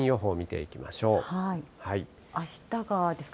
あしたが雨ですか？